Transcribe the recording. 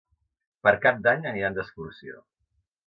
Per Cap d'Any aniran d'excursió.